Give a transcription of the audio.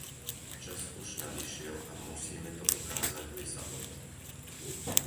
Čas už nadišiel a musíme to dokázať v Lisabone!